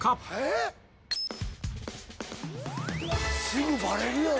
すぐバレるやろ！